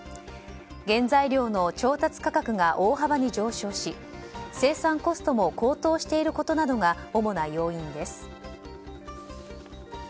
原材料の調達価格が大幅に上昇し生産コストも高騰していることなどが主な要因です。